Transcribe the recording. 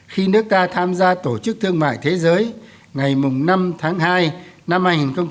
khi nước ta tham gia tổ chức thương mại thế giới ngày năm tháng hai năm hai nghìn một mươi chín